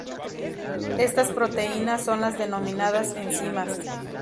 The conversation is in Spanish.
Estas proteínas son las denominadas enzimas.